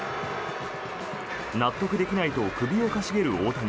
納得できないと首を傾げる大谷。